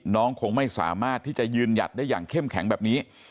น้องคงไม่สามารถที่จะยืนหยัดได้อย่างเข้มแข็งแบบนี้